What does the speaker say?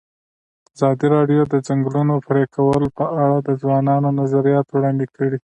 ازادي راډیو د د ځنګلونو پرېکول په اړه د ځوانانو نظریات وړاندې کړي.